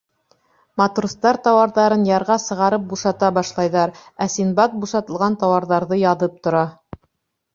Матростар тауарҙарын ярға сығарып бушата башлайҙар, ә Синдбад бушатылған тауарҙарҙы яҙып тора.